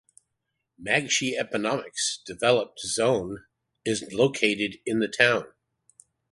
Mangshi Economic Development Zone is located in the town.